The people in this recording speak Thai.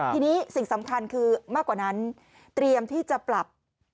ทีนี้สิ่งสำคัญคือมากกว่านั้นเตรียมที่จะปรับ